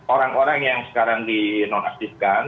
orang orang yang sekarang di non aktifkan